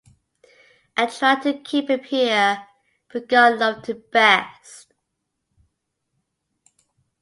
I tried to keep him here but God loved him best.